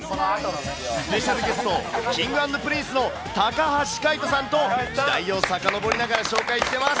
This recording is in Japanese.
スペシャルゲスト、Ｋｉｎｇ＆Ｐｒｉｎｃｅの高橋海人さんと、時代をさかのぼりながら紹介します。